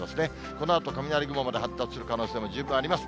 このあと、雷雲まで発達する可能性も十分あります。